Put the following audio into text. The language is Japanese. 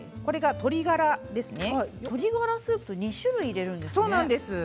鶏がらスープと２種類入れるんですね。